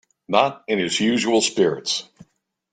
Not in his usual spirits?